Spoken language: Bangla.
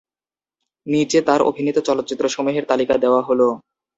নিচে তার অভিনীত চলচ্চিত্রসমূহের তালিকা দেওয়া হল।